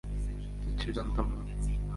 কিচ্ছু জানতাম না।